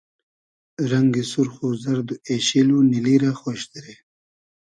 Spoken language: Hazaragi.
رئنگی سورخ و زئرد و اېشیل و نیلی رۂ خۉش دیرې